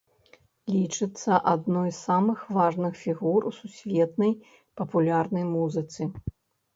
Лічыцца адной з самых важных фігур у сусветнай папулярнай музыцы.